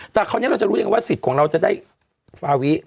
แต่คราวนี้เราจะรู้ยังไงว่าสิทธิ์ของเราจะได้ฟาวิ